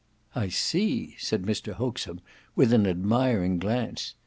"I see," said Mr Hoaxem with an admiring glance.